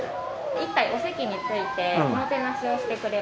１体お席についておもてなしをしてくれます。